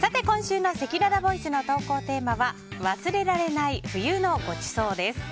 今週のせきららボイスの投稿テーマは忘れられない冬のごちそうです。